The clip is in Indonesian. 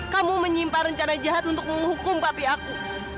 kamu menyimpang rencana jahat untuk menghukum papi aku